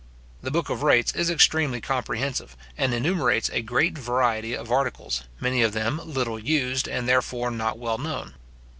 The book of rates is extremely comprehensive, and enumerates a great variety of articles, many of them little used, and, therefore, not well known.